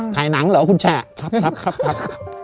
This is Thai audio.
ถ่ายหนังเหรอคุณแชะครับ